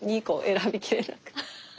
選びきれなくて。